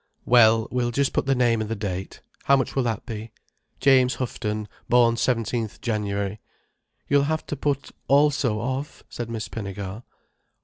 "Well, we'll just put the name and the date. How much will that be? James Houghton. Born 17th January—" "You'll have to put 'Also of,'" said Miss Pinnegar.